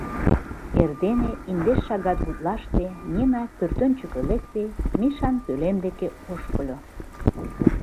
Эрдене, индеш шагат гутлаште, Нина пӧртӧнчыкӧ лекте, Мишан пӧлем деке ошкыльо.